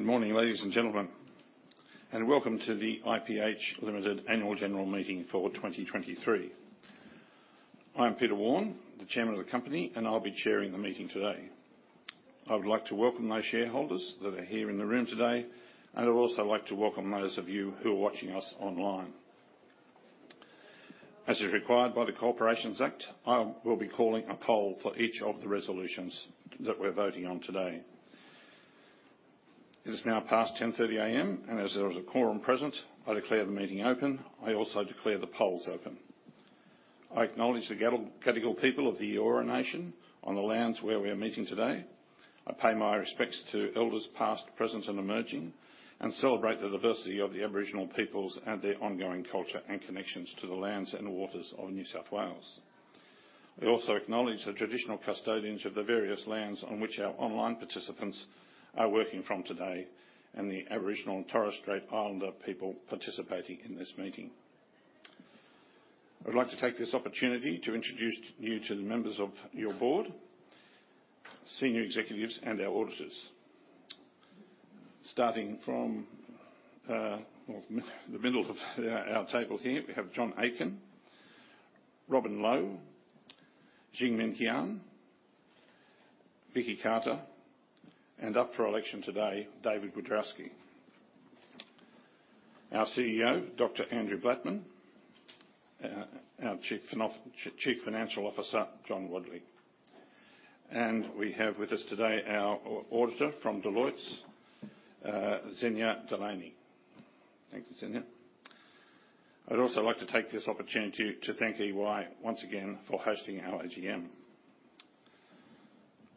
Good morning, ladies and gentlemen, and welcome to the IPH Limited Annual General Meeting for 2023. I'm Peter Warne, the chairman of the company, and I'll be chairing the meeting today. I would like to welcome those shareholders that are here in the room today, and I'd also like to welcome those of you who are watching us online. As is required by the Corporations Act, I will be calling a poll for each of the resolutions that we're voting on today. It is now past 10:30 A.M., and as there is a quorum present, I declare the meeting open. I also declare the polls open. I acknowledge the Gadigal people of the Eora Nation on the lands where we are meeting today. I pay my respects to elders past, present, and emerging, and celebrate the diversity of the Aboriginal peoples and their ongoing culture and connections to the lands and waters of New South Wales. We also acknowledge the traditional custodians of the various lands on which our online participants are working from today, and the Aboriginal and Torres Strait Islander people participating in this meeting. I'd like to take this opportunity to introduce you to the members of your board, senior executives, and our auditors. Starting from the middle of our table here, we have John Aitken, Robyn Lowe, Jingmin Qian, Vicki Carter, and up for election today, David Wiadrowski. Our CEO, Dr. Andrew Blattman, our Chief Financial Officer, John Wadley. And we have with us today our auditor from Deloitte, Hina DeLaney. Thank you, Zinnia. I'd also like to take this opportunity to thank EY once again for hosting our AGM.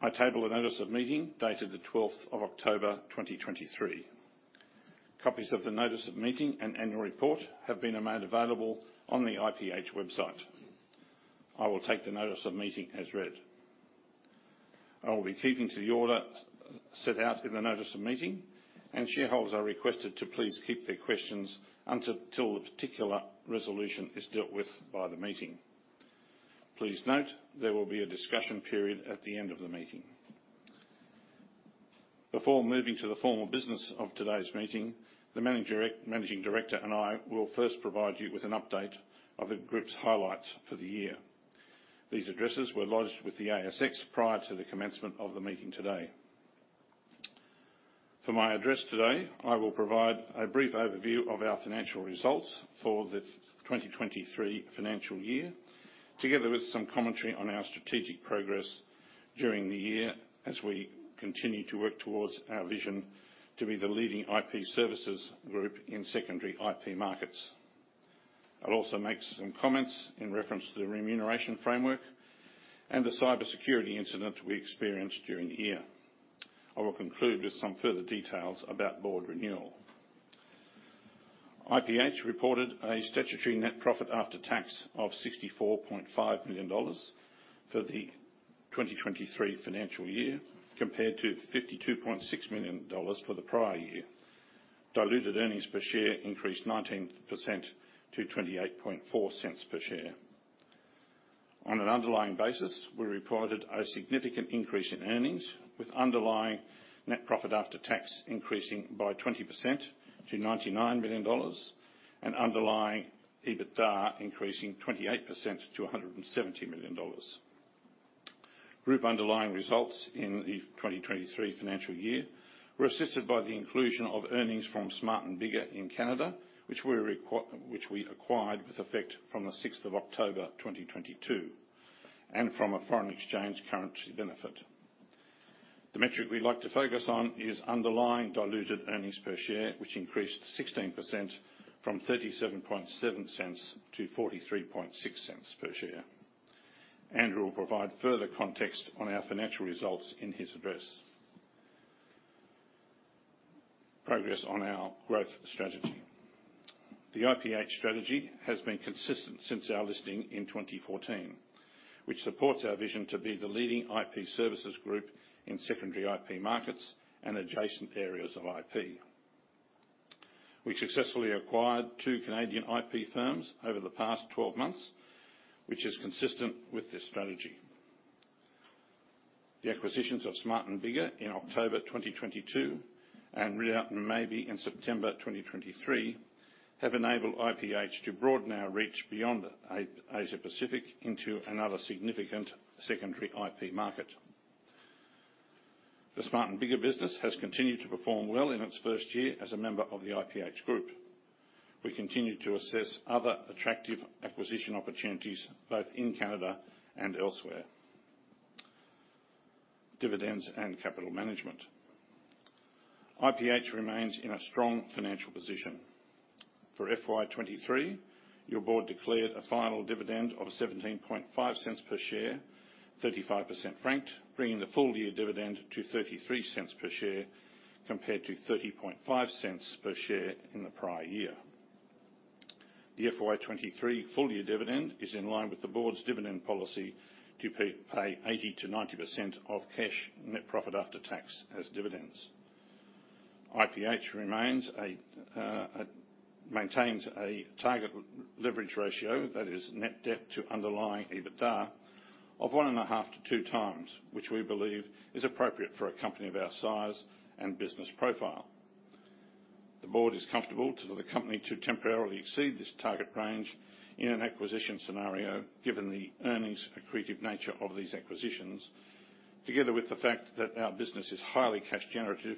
I table a notice of meeting dated the twelfth of October, 2023. Copies of the notice of meeting and annual report have been made available on the IPH website. I will take the notice of meeting as read. I will be keeping to the order set out in the notice of meeting, and shareholders are requested to please keep their questions until, till the particular resolution is dealt with by the meeting. Please note, there will be a discussion period at the end of the meeting. Before moving to the formal business of today's meeting, the Managing Director and I will first provide you with an update of the group's highlights for the year. These addresses were lodged with the ASX prior to the commencement of the meeting today. For my address today, I will provide a brief overview of our financial results for the 2023 financial year, together with some commentary on our strategic progress during the year, as we continue to work towards our vision to be the leading IP services group in secondary IP markets. I'll also make some comments in reference to the remuneration framework and the cybersecurity incident we experienced during the year. I will conclude with some further details about board renewal. IPH reported a statutory net profit after tax of AUD 64.5 million for the 2023 financial year, compared to AUD 52.6 million for the prior year. Diluted earnings per share increased 19% to 0.284 per share. On an underlying basis, we reported a significant increase in earnings, with underlying net profit after tax increasing by 20% to 99 million dollars and underlying EBITDA increasing 28% to 170 million dollars. Group underlying results in the 2023 financial year were assisted by the inclusion of earnings from Smart & Biggar in Canada, which we acquired with effect from 6 October 2022, and from a foreign exchange currency benefit. The metric we'd like to focus on is underlying diluted earnings per share, which increased 16% from 0.377 to 0.436 per share. Andrew will provide further context on our financial results in his address. Progress on our growth strategy. The IPH strategy has been consistent since our listing in 2014, which supports our vision to be the leading IP services group in secondary IP markets and adjacent areas of IP. We successfully acquired two Canadian IP firms over the past 12 months, which is consistent with this strategy. The acquisitions of Smart & Biggar in October 2022 and Ridout & Maybee in September 2023 have enabled IPH to broaden our reach beyond Asia Pacific into another significant secondary IP market. The Smart & Biggar business has continued to perform well in its first year as a member of the IPH group. We continue to assess other attractive acquisition opportunities, both in Canada and elsewhere. Dividends and capital management. IPH remains in a strong financial position. For FY 2023, your board declared a final dividend of 0.175 per share, 35% franked, bringing the full-year dividend to 0.33 per share, compared to 0.305 per share in the prior year. The FY 2023 full-year dividend is in line with the board's dividend policy to pay 80%-90% of cash net profit after tax as dividends. IPH maintains a target leverage ratio that is net debt to underlying EBITDA of 1.5-2 times, which we believe is appropriate for a company of our size and business profile. The board is comfortable to the company to temporarily exceed this target range in an acquisition scenario, given the earnings accretive nature of these acquisitions, together with the fact that our business is highly cash generative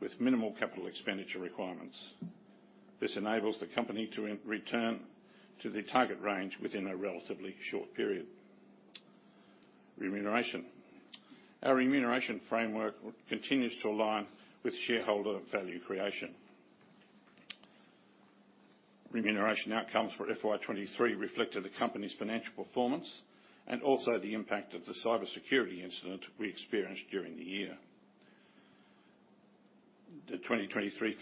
with minimal capital expenditure requirements. This enables the company to return to the target range within a relatively short period. Remuneration. Our remuneration framework continues to align with shareholder value creation. Remuneration outcomes for FY 2023 reflected the company's financial performance and also the impact of the cybersecurity incident we experienced during the year. The 2023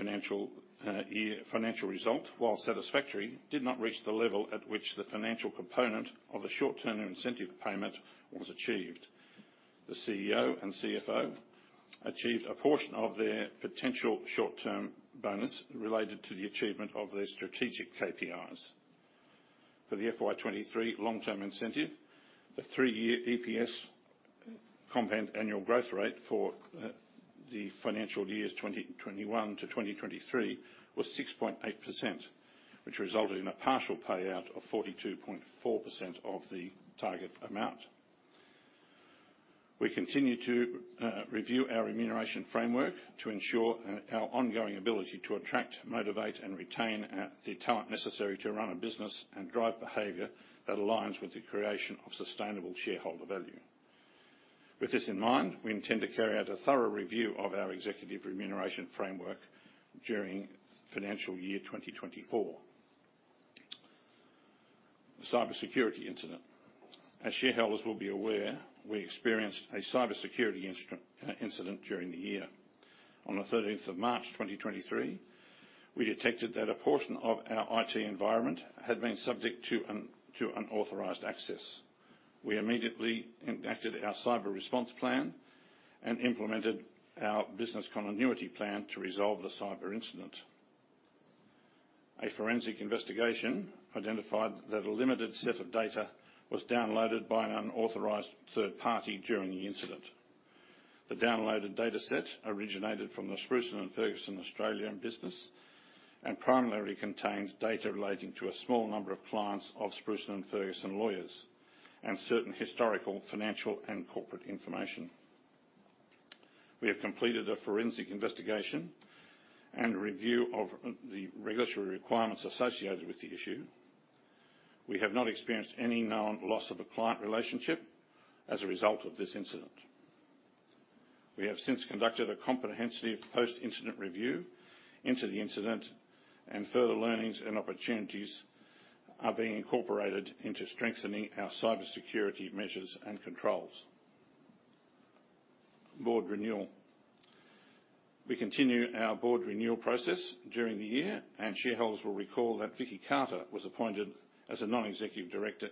financial result, while satisfactory, did not reach the level at which the financial component of the short-term incentive payment was achieved. The CEO and CFO achieved a portion of their potential short-term bonus related to the achievement of their strategic KPIs. For the FY 2023 long-term incentive, the three-year EPS compound annual growth rate for the financial years 2021 to 2023 was 6.8%, which resulted in a partial payout of 42.4% of the target amount. We continue to review our remuneration framework to ensure our ongoing ability to attract, motivate, and retain the talent necessary to run a business and drive behavior that aligns with the creation of sustainable shareholder value. With this in mind, we intend to carry out a thorough review of our executive remuneration framework during financial year 2024. The cybersecurity incident. As shareholders will be aware, we experienced a cybersecurity incident during the year. On the thirteenth of March, 2023, we detected that a portion of our IT environment had been subject to unauthorized access. We immediately enacted our cyber response plan and implemented our business continuity plan to resolve the cyber incident. A forensic investigation identified that a limited set of data was downloaded by an unauthorized third party during the incident. The downloaded dataset originated from the Spruson & Ferguson Australian business, and primarily contained data relating to a small number of clients of Spruson & Ferguson lawyers, and certain historical, financial, and corporate information. We have completed a forensic investigation and review of the regulatory requirements associated with the issue. We have not experienced any known loss of a client relationship as a result of this incident. We have since conducted a comprehensive post-incident review into the incident, and further learnings and opportunities are being incorporated into strengthening our cybersecurity measures and controls. Board renewal. We continued our board renewal process during the year, and shareholders will recall that Vicki Carter was appointed as a non-executive director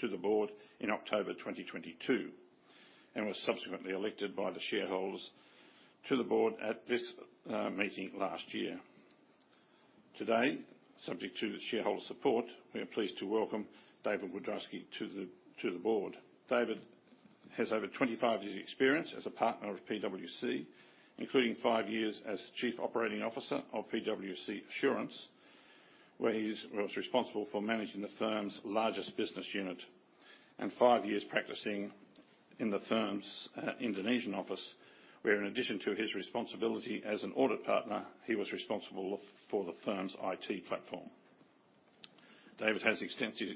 to the board in October 2022, and was subsequently elected by the shareholders to the board at this meeting last year. Today, subject to the shareholder support, we are pleased to welcome David Wiadrowski to the board. David has over 25 years' experience as a partner of PwC, including five years as Chief Operating Officer of PwC Assurance, where he was responsible for managing the firm's largest business unit, and five years practicing in the firm's Indonesian office, where in addition to his responsibility as an audit partner, he was responsible for the firm's IT platform. David has extensive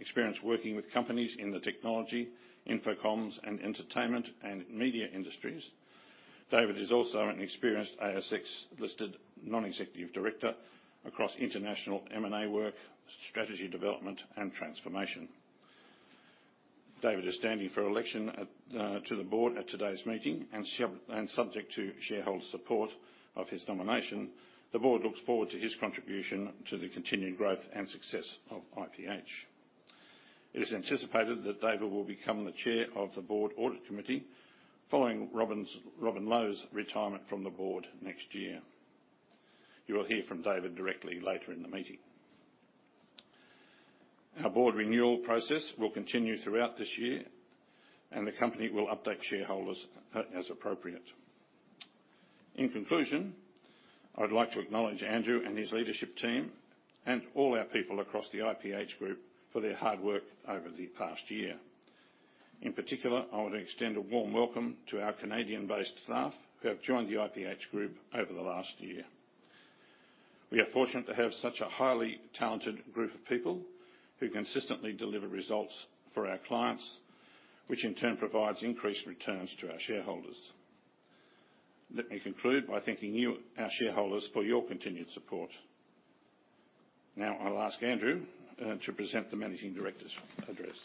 experience working with companies in the technology, infocomms, and entertainment, and media industries. David is also an experienced ASX-listed non-executive director across international M&A work, strategy development, and transformation. David is standing for election at to the board at today's meeting, and and subject to shareholder support of his nomination, the board looks forward to his contribution to the continued growth and success of IPH. It is anticipated that David will become the chair of the board audit committee, following Robyn's... Robyn Lowe's retirement from the board next year. You will hear from David directly later in the meeting. Our board renewal process will continue throughout this year, and the company will update shareholders as appropriate. In conclusion, I'd like to acknowledge Andrew and his leadership team, and all our people across the IPH group, for their hard work over the past year. In particular, I want to extend a warm welcome to our Canadian-based staff who have joined the IPH group over the last year. We are fortunate to have such a highly talented group of people who consistently deliver results for our clients, which in turn provides increased returns to our shareholders. Let me conclude by thanking you, our shareholders, for your continued support. Now I'll ask Andrew to present the Managing Director's address.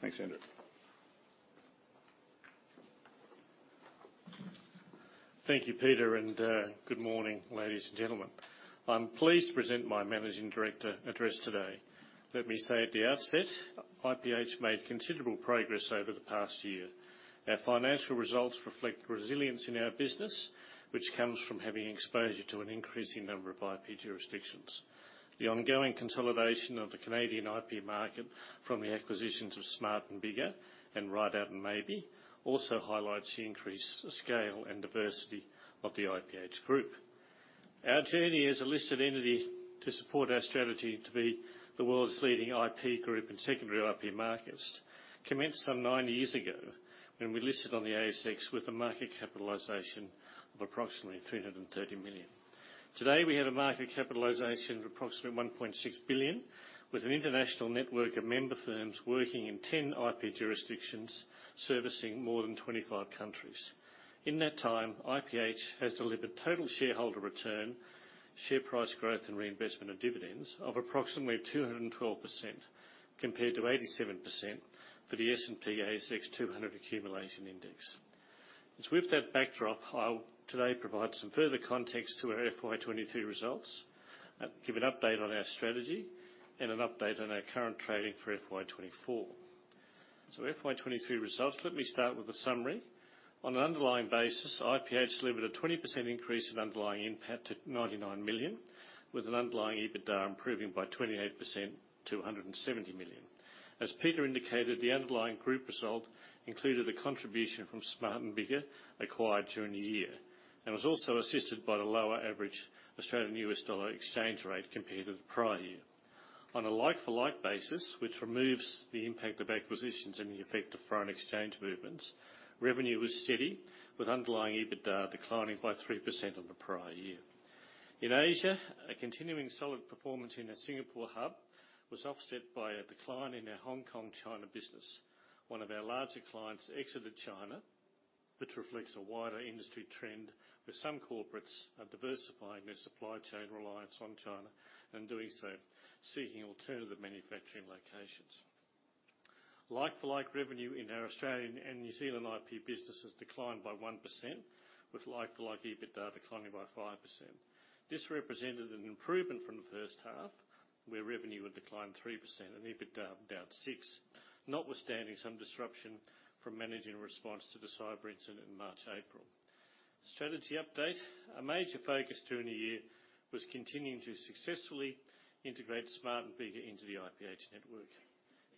Thanks, Andrew. Thank you, Peter, and good morning, ladies and gentlemen. I'm pleased to present my Managing Director address today. Let me say at the outset, IPH made considerable progress over the past year. Our financial results reflect resilience in our business, which comes from having exposure to an increasing number of IP jurisdictions. The ongoing consolidation of the Canadian IP market from the acquisitions of Smart and Biggar, and Ridout and Maybee, also highlights the increased scale and diversity of the IPH group. Our journey as a listed entity to support our strategy to be the world's leading IP group in secondary IP markets, commenced some nine years ago when we listed on the ASX with a market capitalization of approximately 330 million. Today, we have a market capitalization of approximately 1.6 billion, with an international network of member firms working in 10 IP jurisdictions, servicing more than 25 countries. In that time, IPH has delivered total shareholder return, share price growth, and reinvestment of dividends of approximately 212%, compared to 87% for the S&P/ASX 200 accumulation index. It's with that backdrop, I'll today provide some further context to our FY 2023 results, give an update on our strategy, and an update on our current trading for FY 2024. FY 2023 results, let me start with a summary. On an underlying basis, IPH delivered a 20% increase in underlying NPAT to 99 million, with an underlying EBITDA improving by 28% to 170 million. As Peter indicated, the underlying group result included a contribution from Smart and Biggar acquired during the year, and was also assisted by the lower average Australian US dollar exchange rate compared to the prior year. On a like-for-like basis, which removes the impact of acquisitions and the effect of foreign exchange movements, revenue was steady, with underlying EBITDA declining by 3% on the prior year. In Asia, a continuing solid performance in our Singapore hub was offset by a decline in our Hong Kong, China business. One of our larger clients exited China, which reflects a wider industry trend, where some corporates are diversifying their supply chain reliance on China, and doing so, seeking alternative manufacturing locations. Like-for-like revenue in our Australian and New Zealand IP businesses declined by 1%, with like-for-like EBITDA declining by 5%. This represented an improvement from the first half, where revenue had declined 3% and EBITDA down 6%, notwithstanding some disruption from managing response to the cyber incident in March, April. Strategy update. A major focus during the year was continuing to successfully integrate Smart & Biggar into the IPH network.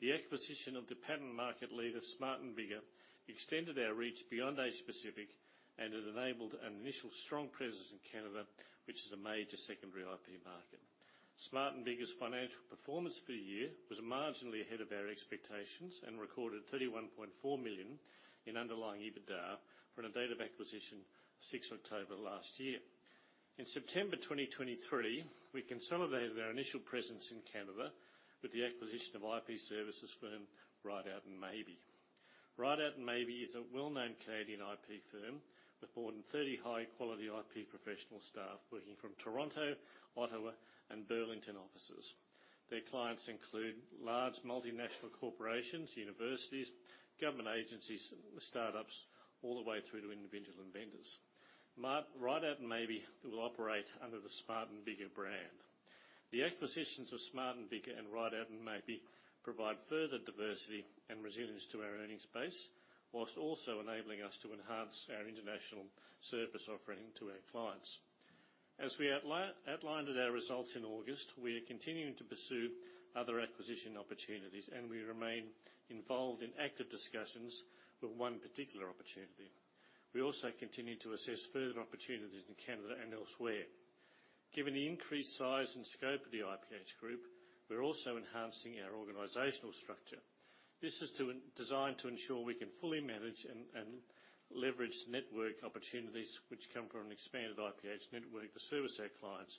The acquisition of the patent market leader, Smart & Biggar, extended our reach beyond Asia Pacific, and it enabled an initial strong presence in Canada, which is a major secondary IP market. Smart & Biggar's financial performance for the year was marginally ahead of our expectations and recorded 31.4 million in underlying EBITDA on a date of acquisition, 6 October last year. In September 2023, we consolidated our initial presence in Canada with the acquisition of IP services firm, Ridout & Maybee. Ridout & Maybee is a well-known Canadian IP firm with more than 30 high-quality IP professional staff working from Toronto, Ottawa, and Burlington offices. Their clients include large multinational corporations, universities, government agencies, startups, all the way through to individual inventors. Ridout & Maybee will operate under the Smart & Biggar brand. The acquisitions of Smart & Biggar and Ridout & Maybee provide further diversity and resilience to our earnings base, while also enabling us to enhance our international service offering to our clients. As we outlined with our results in August, we are continuing to pursue other acquisition opportunities, and we remain involved in active discussions with one particular opportunity. We also continue to assess further opportunities in Canada and elsewhere. Given the increased size and scope of the IPH group, we're also enhancing our organizational structure. This is designed to ensure we can fully manage and leverage network opportunities which come from an expanded IPH network to service our clients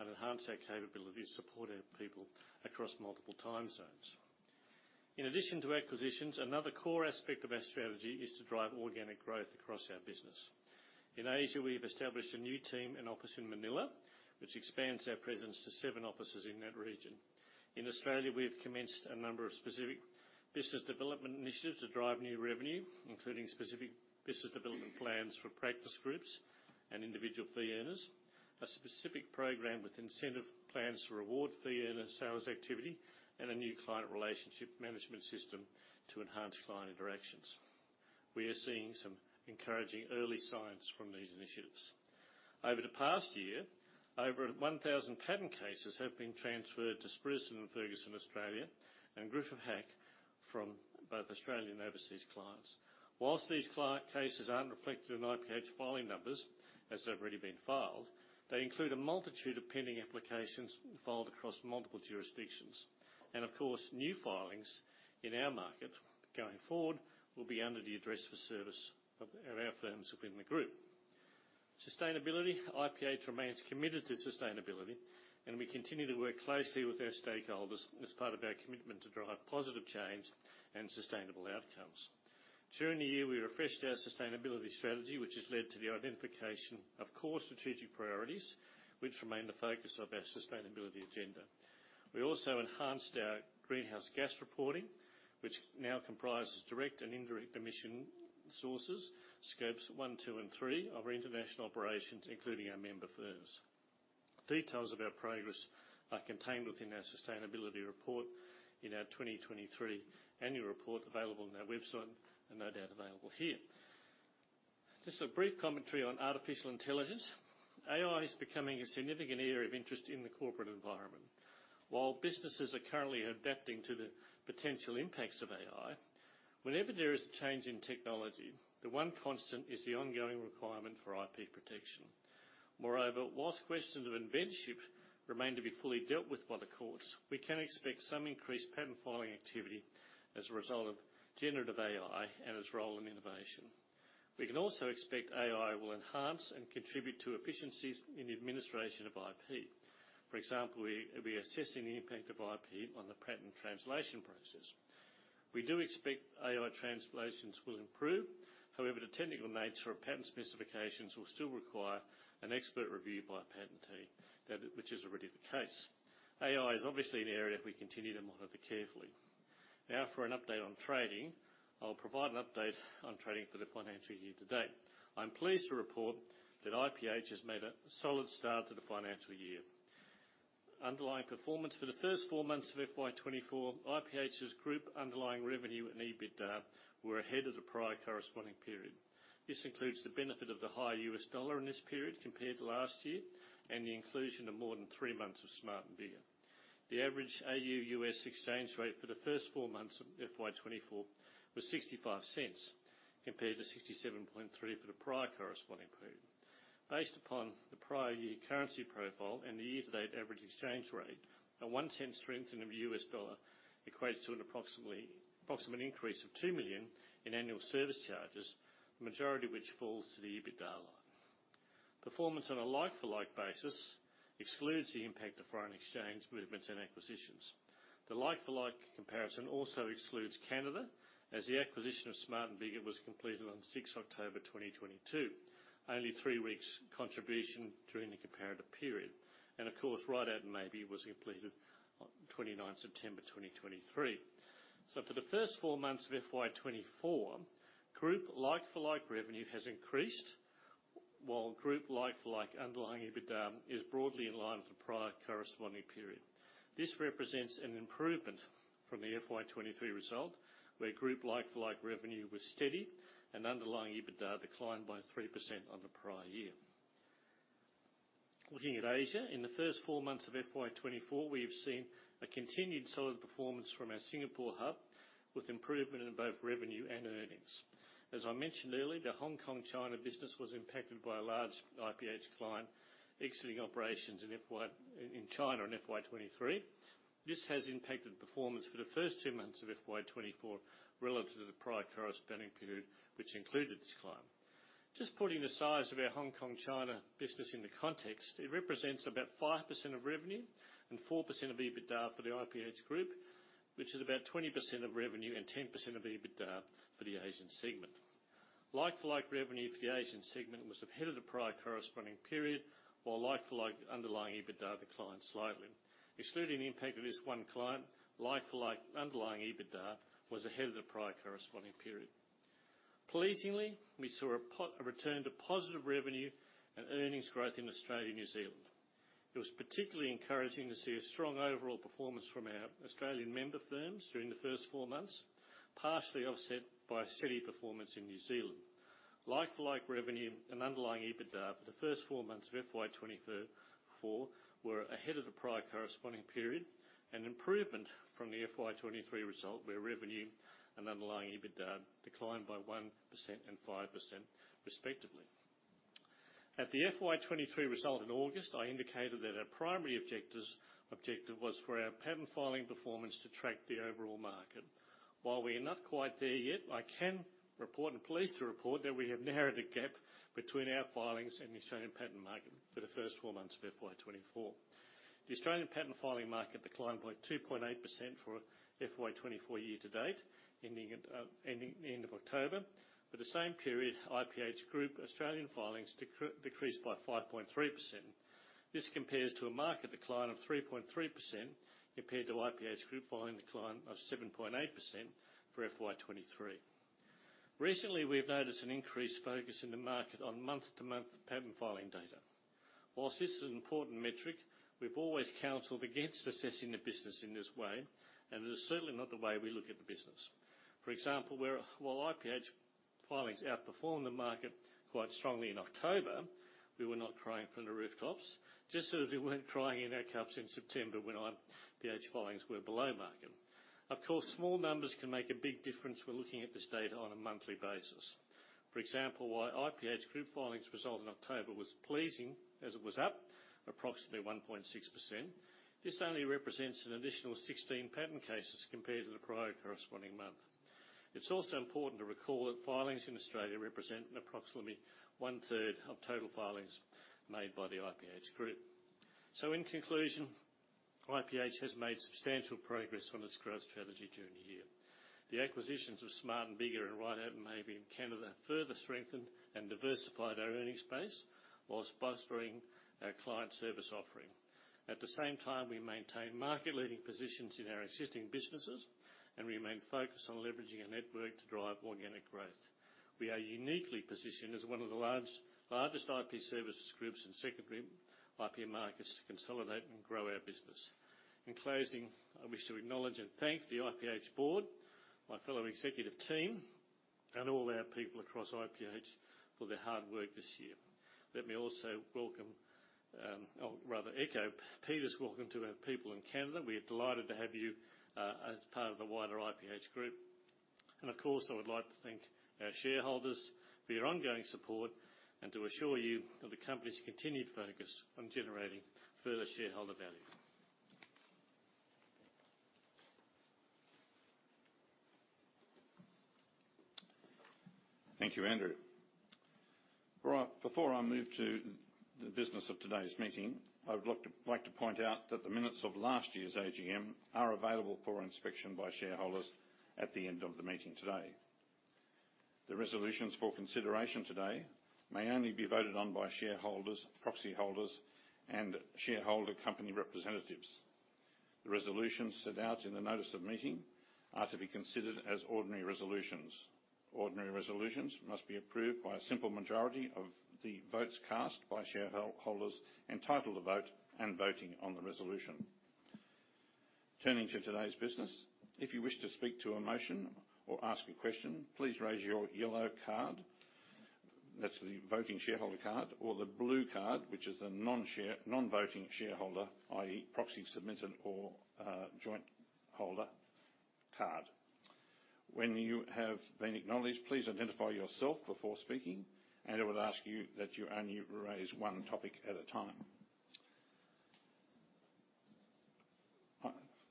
and enhance our capability to support our people across multiple time zones. In addition to acquisitions, another core aspect of our strategy is to drive organic growth across our business. In Asia, we've established a new team and office in Manila, which expands our presence to seven offices in that region. In Australia, we have commenced a number of specific business development initiatives to drive new revenue, including specific business development plans for practice groups and individual fee earners, a specific program with incentive plans to reward fee earner sales activity, and a new client relationship management system to enhance client interactions. We are seeing some encouraging early signs from these initiatives. Over the past year, over 1,000 patent cases have been transferred to Spruson & Ferguson Australia and Griffith Hack from both Australian and overseas clients. While these cases aren't reflected in IPH filing numbers, as they've already been filed, they include a multitude of pending applications filed across multiple jurisdictions. And of course, new filings in our market, going forward, will be under the address for service of our firms within the group. Sustainability. IPH remains committed to sustainability, and we continue to work closely with our stakeholders as part of our commitment to drive positive change and sustainable outcomes. During the year, we refreshed our sustainability strategy, which has led to the identification of core strategic priorities, which remain the focus of our sustainability agenda. We also enhanced our greenhouse gas reporting, which now comprises direct and indirect emission sources, scopes 1, 2, and 3, of our international operations, including our member firms.... Details of our progress are contained within our sustainability report in our 2023 annual report, available on our website, and no doubt available here. Just a brief commentary on artificial intelligence. AI is becoming a significant area of interest in the corporate environment. While businesses are currently adapting to the potential impacts of AI, whenever there is a change in technology, the one constant is the ongoing requirement for IP protection. Moreover, whilst questions of inventorship remain to be fully dealt with by the courts, we can expect some increased patent filing activity as a result of generative AI and its role in innovation. We can also expect AI will enhance and contribute to efficiencies in the administration of IP. For example, we are assessing the impact of IP on the patent translation process. We do expect AI translations will improve. However, the technical nature of patent specifications will still require an expert review by a patentee, which is already the case. AI is obviously an area we continue to monitor carefully. Now for an update on trading. I'll provide an update on trading for the financial year to date. I'm pleased to report that IPH has made a solid start to the financial year. Underlying performance for the first four months of FY 2024, IPH's group underlying revenue and EBITDA were ahead of the prior corresponding period. This includes the benefit of the higher US dollar in this period compared to last year, and the inclusion of more than three months of Smart & Biggar. The average AU-US exchange rate for the first four months of FY 2024 was 0.65, compared to 0.673 for the prior corresponding period. Based upon the prior year currency profile and the year-to-date average exchange rate, a one cent strength in the US dollar equates to an approximate increase of two million in annual service charges, majority of which falls to the EBITDA line. Performance on a like-for-like basis excludes the impact of foreign exchange movements and acquisitions. The like-for-like comparison also excludes Canada, as the acquisition of Smart & Biggar was completed on the sixth October 2022, only three weeks' contribution during the comparative period. Of course, Ridout & Maybee was completed on 29th September 2023. So for the first four months of FY 2024, group like-for-like revenue has increased, while group like-for-like underlying EBITDA is broadly in line with the prior corresponding period. This represents an improvement from the FY 2023 result, where group like-for-like revenue was steady and underlying EBITDA declined by 3% on the prior year. Looking at Asia, in the 1 April of FY 2024, we have seen a continued solid performance from our Singapore hub, with improvement in both revenue and earnings. As I mentioned earlier, the Hong Kong, China business was impacted by a large IPH client exiting operations in China in FY 2023. This has impacted performance for the first two months of FY 2024 relative to the prior corresponding period, which included this client. Just putting the size of our Hong Kong, China business into context, it represents about 5% of revenue and 4% of EBITDA for the IPH group, which is about 20% of revenue and 10% of EBITDA for the Asian segment. Like-for-like revenue for the Asian segment was ahead of the prior corresponding period, while like-for-like underlying EBITDA declined slightly. Excluding the impact of this one client, like-for-like underlying EBITDA was ahead of the prior corresponding period. Pleasingly, we saw a return to positive revenue and earnings growth in Australia and New Zealand. It was particularly encouraging to see a strong overall performance from our Australian member firms during the first four months, partially offset by a steady performance in New Zealand. Like-for-like revenue and underlying EBITDA for the first four months of FY 2024 were ahead of the prior corresponding period, an improvement from the FY 2023 result, where revenue and underlying EBITDA declined by 1% and 5% respectively. At the FY 2023 result in August, I indicated that our primary objectives, objective was for our patent filing performance to track the overall market. While we are not quite there yet, I can report, and pleased to report, that we have narrowed the gap between our filings and the Australian patent market for the first four months of FY 2024. The Australian patent filing market declined by 2.8% for FY 2024 year to date, ending at the end of October. For the same period, IPH Group Australian filings decreased by 5.3%. This compares to a market decline of 3.3%, compared to IPH Group filing decline of 7.8% for FY 2023. Recently, we've noticed an increased focus in the market on month-to-month patent filing data. While this is an important metric, we've always counseled against assessing the business in this way, and it is certainly not the way we look at the business. For example, while IPH filings outperformed the market quite strongly in October, we were not crying from the rooftops, just as we weren't crying in our cups in September when IPH filings were below market. Of course, small numbers can make a big difference when looking at this data on a monthly basis. For example, while IPH Group filings result in October was pleasing, as it was up approximately 1.6%, this only represents an additional 16 patent cases compared to the prior corresponding month. It's also important to recall that filings in Australia represent approximately one third of total filings made by the IPH Group. So in conclusion, IPH has made substantial progress on its growth strategy during the year. The acquisitions of Smart & Biggar and Ridout & Maybee in Canada further strengthened and diversified our earnings base while bolstering our client service offering. At the same time, we maintain market-leading positions in our existing businesses, and we remain focused on leveraging our network to drive organic growth. We are uniquely positioned as one of the largest IP services groups and secondary IP markets to consolidate and grow our business. In closing, I wish to acknowledge and thank the IPH board, my fellow executive team, and all our people across IPH for their hard work this year. Let me also welcome, or rather echo Peter's welcome to our people in Canada. We are delighted to have you, as part of the wider IPH group. And of course, I would like to thank our shareholders for your ongoing support and to assure you of the company's continued focus on generating further shareholder value. Thank you, Andrew. Right, before I move to the business of today's meeting, I would like to point out that the minutes of last year's AGM are available for inspection by shareholders at the end of the meeting today. The resolutions for consideration today may only be voted on by shareholders, proxy holders, and shareholder company representatives. The resolutions set out in the notice of meeting are to be considered as ordinary resolutions. Ordinary resolutions must be approved by a simple majority of the votes cast by shareholders entitled to vote and voting on the resolution. Turning to today's business, if you wish to speak to a motion or ask a question, please raise your yellow card. That's the voting shareholder card or the blue card, which is a non-voting shareholder, i.e., proxy submitted or joint holder card. When you have been acknowledged, please identify yourself before speaking, and I would ask you that you only raise one topic at a time.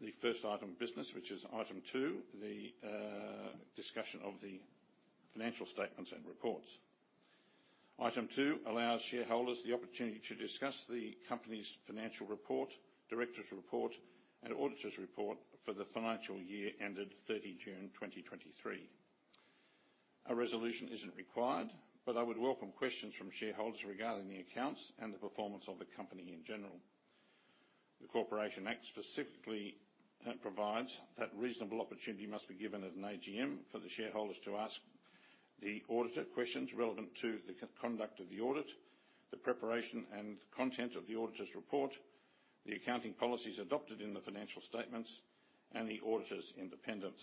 The first item of business, which is item 2, the discussion of the financial statements and reports. Item 2 allows shareholders the opportunity to discuss the company's financial report, directors' report, and auditors' report for the financial year ended 30 June 2023. A resolution isn't required, but I would welcome questions from shareholders regarding the accounts and the performance of the company in general. The Corporations Act specifically provides that reasonable opportunity must be given at an AGM for the shareholders to ask the auditor questions relevant to the conduct of the audit, the preparation and content of the auditor's report, the accounting policies adopted in the financial statements, and the auditor's independence.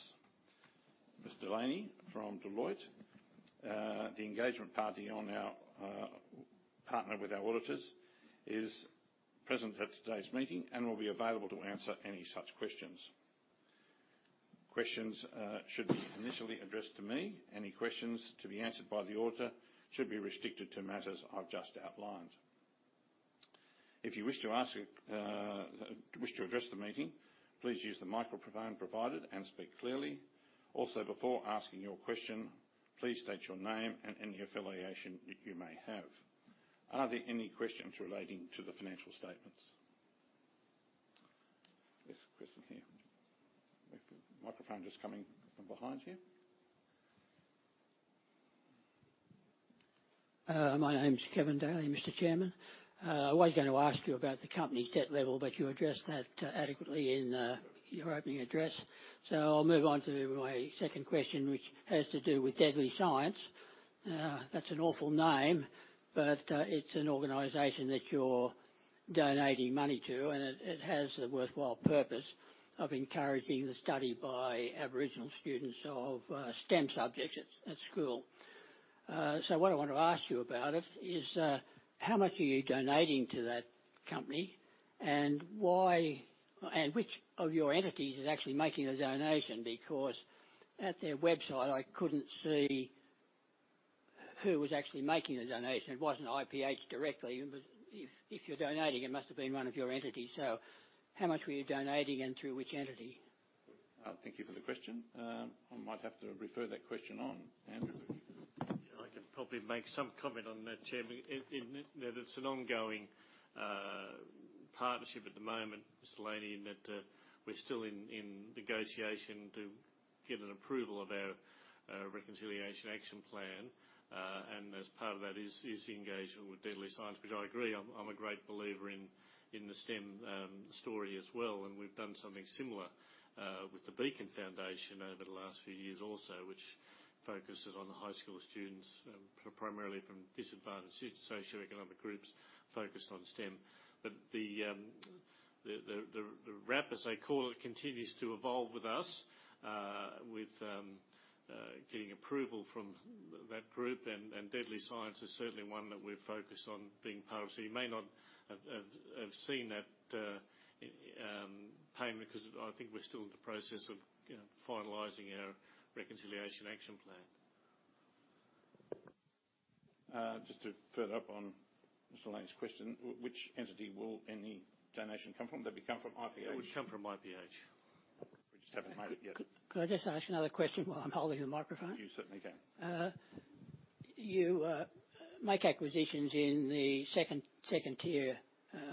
Mr. Hina DeLaney from Deloitte, the engagement partner with our auditors, is present at today's meeting and will be available to answer any such questions. Questions should be initially addressed to me. Any questions to be answered by the auditor should be restricted to matters I've just outlined. If you wish to ask, wish to address the meeting, please use the microphone provided and speak clearly. Also, before asking your question, please state your name and any affiliation that you may have. Are there any questions relating to the financial statements? There's a question here. Microphone just coming from behind you. My name is Kevin Daley, Mr. Chairman. I was going to ask you about the company's debt level, but you addressed that adequately in your opening address. So I'll move on to my second question, which has to do with Deadly Science. That's an awful name, but it's an organization that you're donating money to, and it has a worthwhile purpose of encouraging the study by Aboriginal students of STEM subjects at school. So what I want to ask you about it is, how much are you donating to that company? And why and which of your entities is actually making the donation? Because at their website, I couldn't see who was actually making the donation. It wasn't IPH directly, but if you're donating, it must have been one of your entities. So how much were you donating, and through which entity? Thank you for the question. I might have to refer that question on. Andrew? I can probably make some comment on that, Chairman, in that it's an ongoing partnership at the moment, Mr. Daley, and that we're still in negotiation to get an approval of our reconciliation action plan. And as part of that is the engagement with Deadly Science, which I agree, I'm a great believer in the STEM story as well, and we've done something similar with the Beacon Foundation over the last few years also, which focuses on the high school students, primarily from disadvantaged socioeconomic groups, focused on STEM. But the RAP, as they call it, continues to evolve with us, with getting approval from that group, and Deadly Science is certainly one that we're focused on being part of. So you may not have seen that payment because I think we're still in the process of, you know, finalizing our Reconciliation Action Plan. Just to follow up on Mr. Daley's question, which entity will any donation come from? Will it come from IPH? It would come from IPH. We just haven't made it yet. Could I just ask another question while I'm holding the microphone? You certainly can. You make acquisitions in the second-tier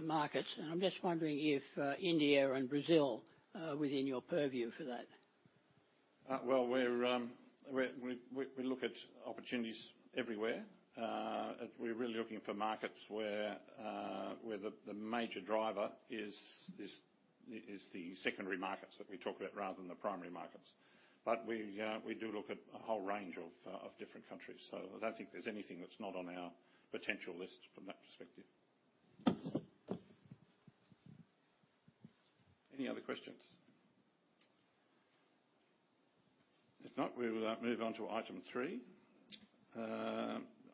markets, and I'm just wondering if India and Brazil are within your purview for that? Well, we look at opportunities everywhere. We're really looking for markets where the major driver is the secondary markets that we talk about rather than the primary markets. But we do look at a whole range of different countries, so I don't think there's anything that's not on our potential list from that perspective. Any other questions? If not, we will move on to item three.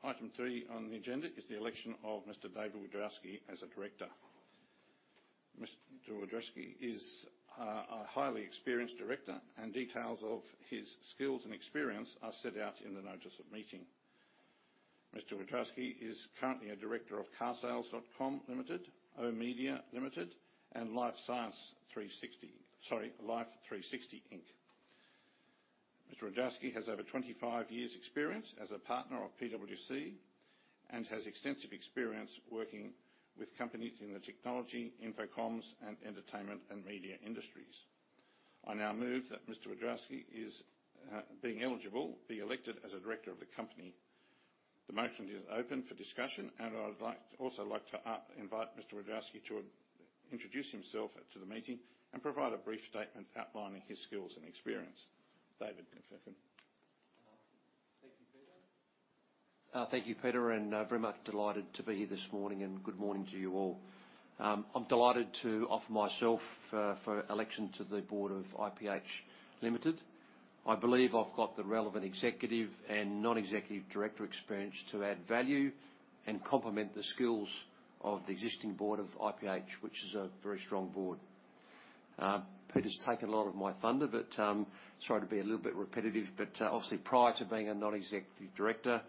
Item three on the agenda is the election of Mr. David Wiadrowski as a director. Mr. Wiadrowski is a highly experienced director, and details of his skills and experience are set out in the notice of meeting. Mr. Wiadrowski is currently a director of carsales.com Limited, oOh!media Limited, and Life360, Inc. Mr. Wiadrowski has over 25 years' experience as a partner of PwC, and has extensive experience working with companies in the technology, infocomms, and entertainment and media industries. I now move that Mr. Wiadrowski is, being eligible, be elected as a director of the company. The motion is open for discussion, and I would like to also like to invite Mr. Wiadrowski to introduce himself to the meeting and provide a brief statement outlining his skills and experience. David, if you can. Thank you, Peter. Thank you, Peter, and very much delighted to be here this morning, and good morning to you all. I'm delighted to offer myself for election to the board of IPH Limited. I believe I've got the relevant executive and non-executive director experience to add value and complement the skills of the existing board of IPH, which is a very strong board. Peter's taken a lot of my thunder, but sorry to be a little bit repetitive, but obviously, prior to being a non-executive director,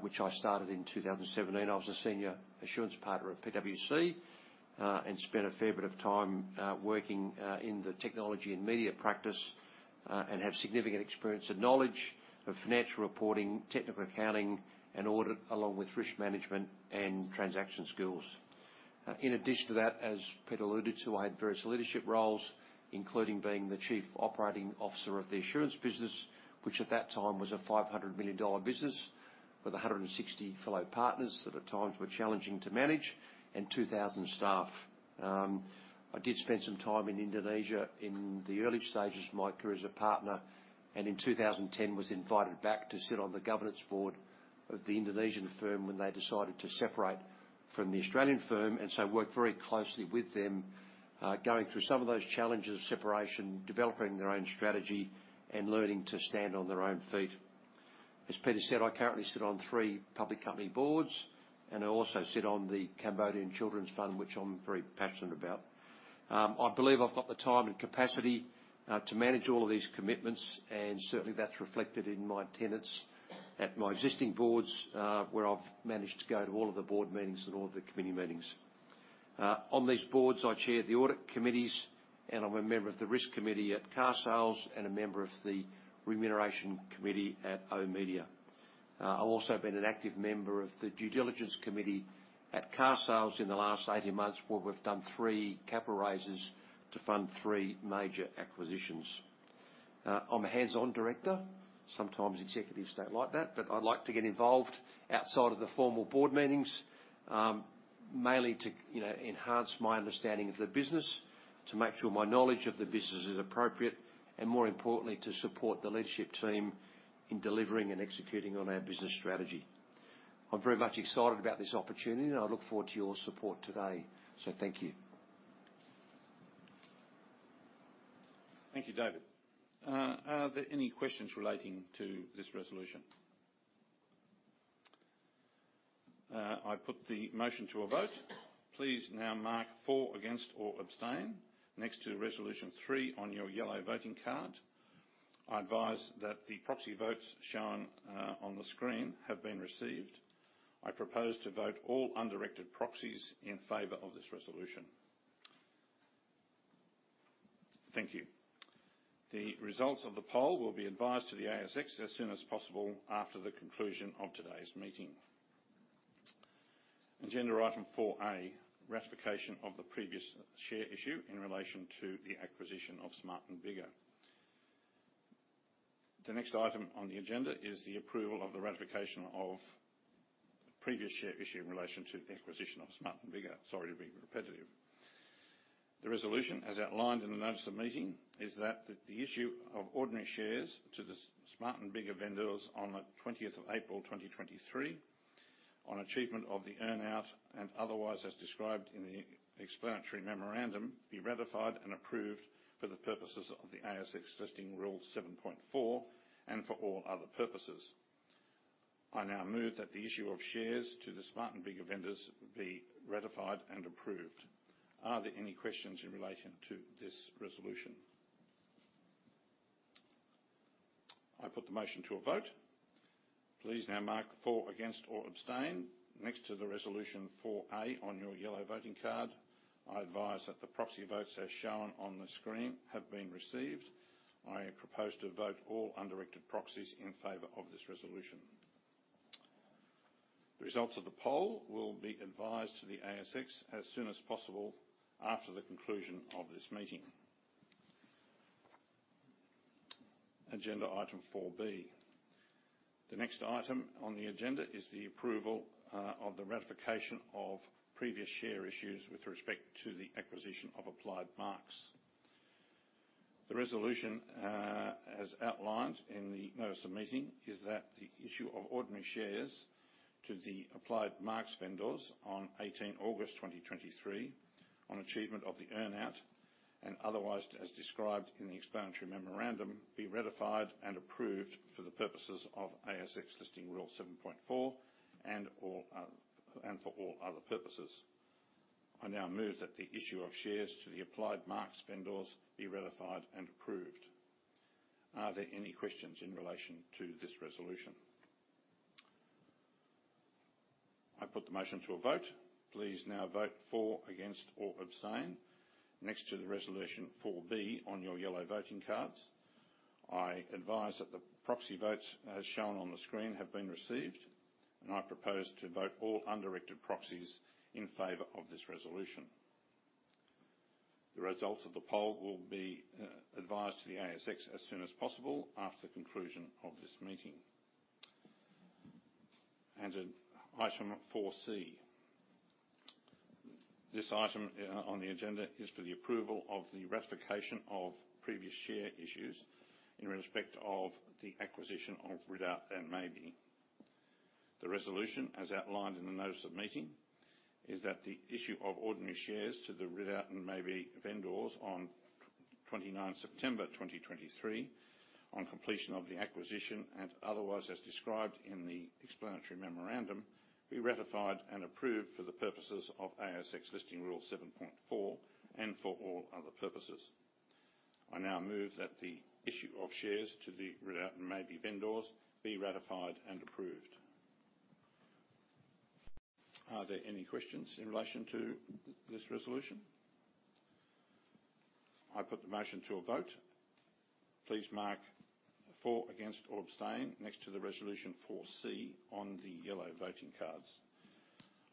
which I started in 2017, I was a senior assurance partner at PwC, and spent a fair bit of time working in the technology and media practice, and have significant experience and knowledge of financial reporting, technical accounting, and audit, along with risk management and transaction skills. in addition to that, as Peter alluded to, I had various leadership roles, including being the chief operating officer of the assurance business, which at that time was an 500 million dollar business with 160 fellow partners, that at times were challenging to manage, and 2,000 staff. I did spend some time in Indonesia in the early stages of my career as a partner, and in 2010, was invited back to sit on the governance board of the Indonesian firm when they decided to separate from the Australian firm, and so I worked very closely with them, going through some of those challenges of separation, developing their own strategy, and learning to stand on their own feet. As Peter said, I currently sit on three public company boards, and I also sit on the Cambodian Children's Fund, which I'm very passionate about. I believe I've got the time and capacity to manage all of these commitments, and certainly that's reflected in my attendance at my existing boards, where I've managed to go to all of the board meetings and all of the committee meetings. On these boards, I chair the audit committees, and I'm a member of the risk committee at carsales.com and a member of the remuneration committee at oOh!media. I've also been an active member of the due diligence committee at carsales.com in the last 18 months, where we've done three capital raises to fund three major acquisitions. I'm a hands-on director. Sometimes executives don't like that, but I like to get involved outside of the formal board meetings, mainly to, you know, enhance my understanding of the business, to make sure my knowledge of the business is appropriate, and more importantly, to support the leadership team in delivering and executing on our business strategy. I'm very much excited about this opportunity, and I look forward to your support today. Thank you. Thank you, David. Are there any questions relating to this resolution? I put the motion to a vote. Please now mark for, against, or abstain next to resolution three on your yellow voting card. I advise that the proxy votes shown on the screen have been received. I propose to vote all undirected proxies in favor of this resolution. Thank you. The results of the poll will be advised to the ASX as soon as possible after the conclusion of today's meeting. Agenda item four A, ratification of the previous share issue in relation to the acquisition of Smart & Biggar. The next item on the agenda is the approval of the ratification of previous share issue in relation to the acquisition of Smart & Biggar. Sorry to be repetitive. The resolution, as outlined in the notice of meeting, is that the issue of ordinary shares to the Smart & Biggar vendors on the 20th of April, 2023, on achievement of the earn-out, and otherwise as described in the explanatory memorandum, be ratified and approved for the purposes of the ASX listing rule 7.4 and for all other purposes. I now move that the issue of shares to the Smart & Biggar vendors be ratified and approved. Are there any questions in relation to this resolution? I put the motion to a vote. Please now mark for, against, or abstain next to the resolution 4A on your yellow voting card. I advise that the proxy votes as shown on the screen have been received. I propose to vote all undirected proxies in favor of this resolution. The results of the poll will be advised to the ASX as soon as possible after the conclusion of this meeting. Agenda item 4B. The next item on the agenda is the approval of the ratification of previous share issues with respect to the acquisition of Applied Marks. The resolution, as outlined in the notice of meeting, is that the issue of ordinary shares to the Applied Marks vendors on 18 August 2023, on achievement of the earn-out, and otherwise as described in the explanatory memorandum, be ratified and approved for the purposes of ASX Listing Rule 7.4, and all, and for all other purposes. I now move that the issue of shares to the Applied Marks vendors be ratified and approved. Are there any questions in relation to this resolution? I put the motion to a vote. Please now vote for, against, or abstain next to the resolution 4B on your yellow voting cards. I advise that the proxy votes, as shown on the screen, have been received, and I propose to vote all undirected proxies in favor of this resolution. The results of the poll will be advised to the ASX as soon as possible after the conclusion of this meeting. Item 4C. This item on the agenda is for the approval of the ratification of previous share issues in respect of the acquisition of Ridout & Maybee. The resolution, as outlined in the notice of meeting, is that the issue of ordinary shares to the Ridout & Maybee vendors on 29 September 2023, on completion of the acquisition, and otherwise, as described in the explanatory memorandum, be ratified and approved for the purposes of ASX Listing Rule 7.4 and for all other purposes. I now move that the issue of shares to the Ridout & Maybee vendors be ratified and approved. Are there any questions in relation to this resolution? I put the motion to a vote. Please mark for, against, or abstain next to the resolution 4C on the yellow voting cards.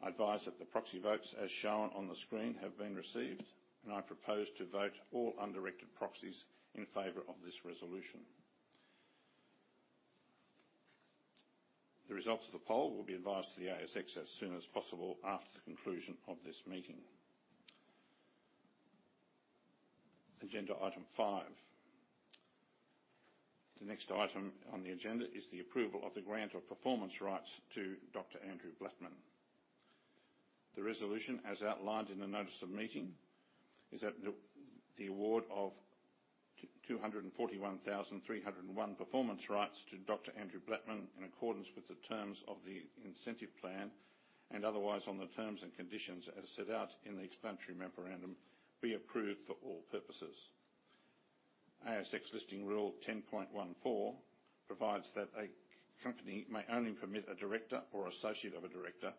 I advise that the proxy votes, as shown on the screen, have been received, and I propose to vote all undirected proxies in favor of this resolution. The results of the poll will be advised to the ASX as soon as possible after the conclusion of this meeting. Agenda item five. The next item on the agenda is the approval of the grant of performance rights to Dr. Andrew Blattman. The resolution, as outlined in the notice of meeting, is that the award of 241,301 performance rights to Dr. Andrew Blattman, in accordance with the terms of the incentive plan, and otherwise, on the terms and conditions as set out in the explanatory memorandum, be approved for all purposes. ASX Listing Rule 10.14 provides that a company may only permit a director or associate of a director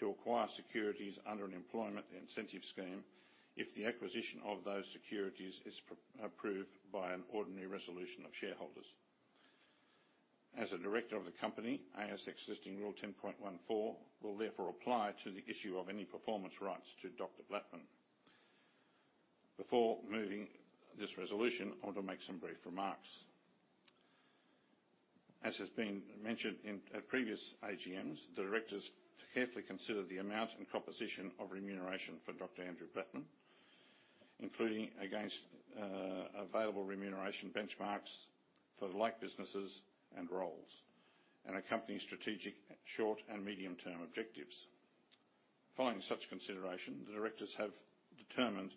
to acquire securities under an employment incentive scheme if the acquisition of those securities is approved by an ordinary resolution of shareholders. As a director of the company, ASX Listing Rule 10.14 will therefore apply to the issue of any performance rights to Dr. Blattman. Before moving this resolution, I want to make some brief remarks. As has been mentioned at previous AGMs, the directors carefully consider the amount and composition of remuneration for Dr. Andrew Blattman, including against available remuneration benchmarks for like businesses and roles, and accompanying strategic, short, and medium-term objectives. Following such consideration, the directors have determined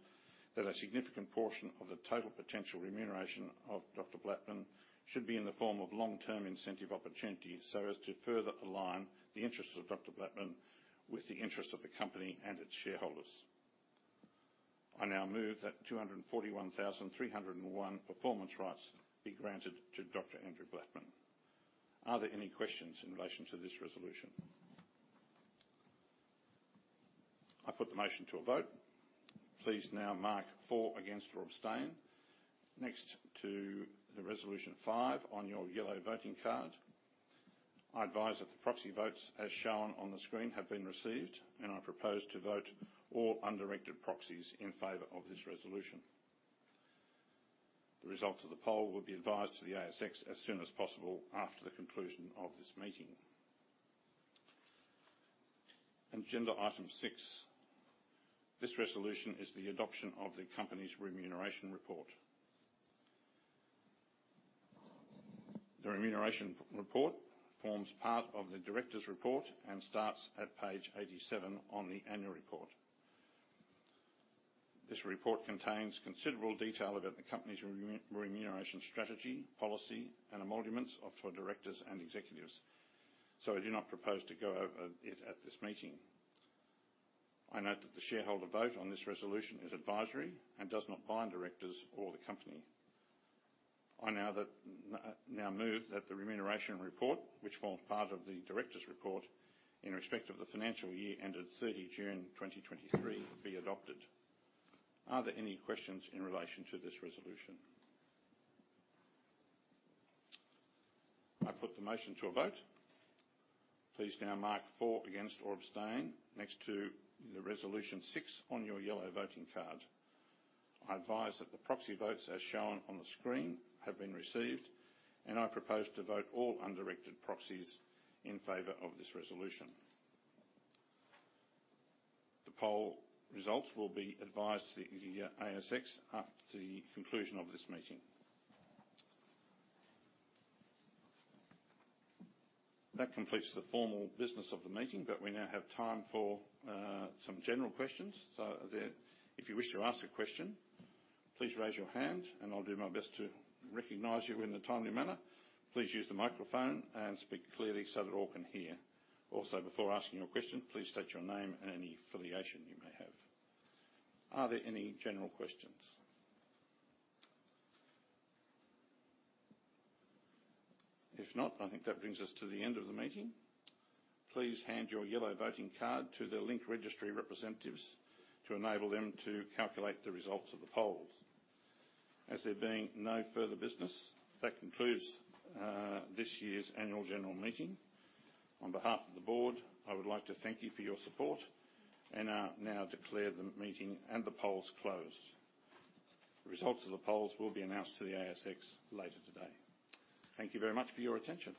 that a significant portion of the total potential remuneration of Dr. Blattman should be in the form of long-term incentive opportunities, so as to further align the interests of Dr. Blattman with the interests of the company and its shareholders. I now move that 241,301 performance rights be granted to Dr. Andrew Blattman. Are there any questions in relation to this resolution? I put the motion to a vote. Please now mark for, against, or abstain next to resolution 5 on your yellow voting card. I advise that the proxy votes, as shown on the screen, have been received, and I propose to vote all undirected proxies in favor of this resolution. The results of the poll will be advised to the ASX as soon as possible after the conclusion of this meeting. Agenda item 6. This resolution is the adoption of the company's remuneration report. The remuneration report forms part of the director's report and starts at page 87 on the annual report. This report contains considerable detail about the company's remuneration strategy, policy, and emoluments for directors and executives, so I do not propose to go over it at this meeting. I note that the shareholder vote on this resolution is advisory and does not bind directors or the company. I now move that the remuneration report, which forms part of the directors' report in respect of the financial year ended 30 June 2023, be adopted. Are there any questions in relation to this resolution? I put the motion to a vote. Please now mark for, against, or abstain next to resolution six on your yellow voting card. I advise that the proxy votes, as shown on the screen, have been received, and I propose to vote all undirected proxies in favor of this resolution. The poll results will be advised to the ASX after the conclusion of this meeting. That completes the formal business of the meeting, but we now have time for some general questions. So are there. If you wish to ask a question, please raise your hand, and I'll do my best to recognize you in a timely manner. Please use the microphone and speak clearly so that all can hear. Also, before asking your question, please state your name and any affiliation you may have. Are there any general questions? If not, I think that brings us to the end of the meeting. Please hand your yellow voting card to the Link Market Services representatives to enable them to calculate the results of the polls. As there being no further business, that concludes this year's annual general meeting. On behalf of the board, I would like to thank you for your support and now declare the meeting and the polls closed. The results of the polls will be announced to the ASX later today. Thank you very much for your attention.